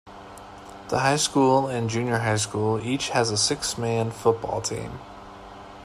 The high school and junior high school each has a six-man football team.